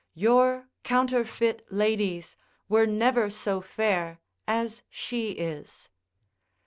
your counterfeit ladies were never so fair as she is.